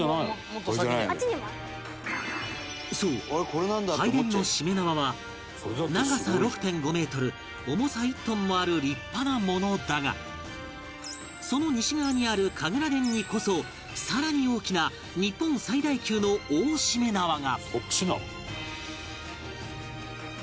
そう拝殿のしめ縄は長さ ６．５ メートル重さ１トンもある立派なものだがその西側にある神楽殿にこそさらに大きな日本最大級の大しめ縄が